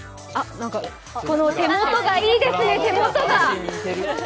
手元がいいですね、手元が。